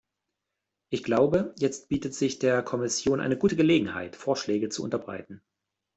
Ich glaube, jetzt bietet sich der Kommission eine gute Gelegenheit, Vorschläge zu unterbreiten.